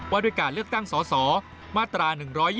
ว่าด้วยการเลือกตั้งสสมาตรา๑๒๒